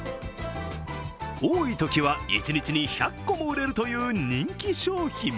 多いときは、一日に１００個も売れるという人気商品。